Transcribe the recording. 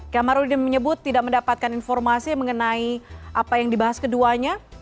kamarudin menyebut tidak mendapatkan informasi mengenai apa yang dibahas keduanya